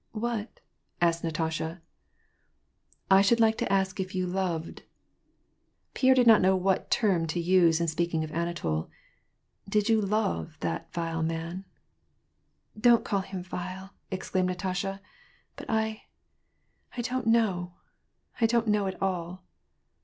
" What ?" asked Natasha, " I should like to ask if you loved "— Pierre did not know ■ 'lat term to use in speaking of Anatol. " Did you love that .lie man ?" "Don't call him vile," exclaimed Natasha. "But I — I <' n't know ; I don't know at all."